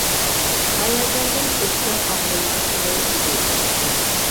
ھاياجاندىن ئۆپكەم ئاغزىمغا كېلەي دېدى.